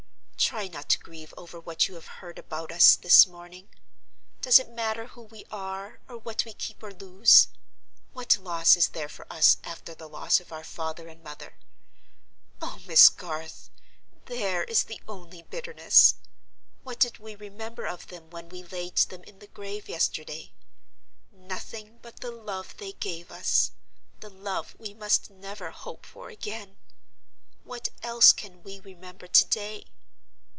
Try not to grieve over what you have heard about us this morning. Does it matter who we are, or what we keep or lose? What loss is there for us after the loss of our father and mother? Oh, Miss Garth, there is the only bitterness! What did we remember of them when we laid them in the grave yesterday? Nothing but the love they gave us—the love we must never hope for again. What else can we remember to day?